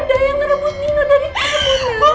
nggak ada yang ngerebut nino dari kamu nang